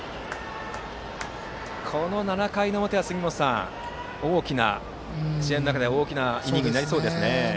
この７回の表は杉本さん試合の中で大きなイニングになりそうですね。